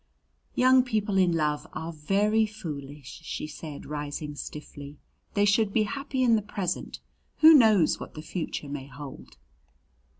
"Young people in love are very foolish," she said, rising stiffly. "They should be happy in the present. Who knows what the future may hold?"